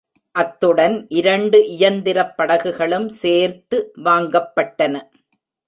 அத்துடன் இரண்டு இயந்திரப் படகுகளும் சேர்த்து வாங்கப்பட்டன.